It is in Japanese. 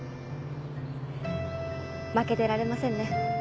負けてられませんね。